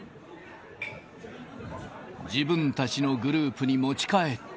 自分たちのグループに持ち帰った。